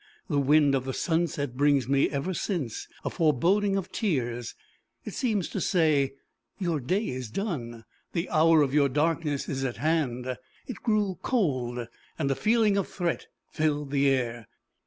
The wind of the sunset brings me, ever since, a foreboding of tears: it seems to say "Your day is done; the hour of your darkness is at hand." It grew cold, and a feeling of threat filled the air.